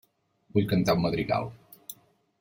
Vull cantar un madrigal.